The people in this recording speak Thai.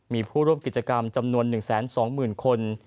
มีผู้ร่วมกิจกรรมจำนวน๑๒๐๐๐คน